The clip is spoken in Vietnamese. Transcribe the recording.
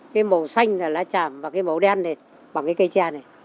cái màu xanh là lá tràm và cái màu đen này bằng cái cây trà này